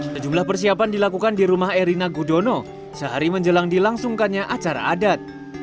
sejumlah persiapan dilakukan di rumah erina gudono sehari menjelang dilangsungkannya acara adat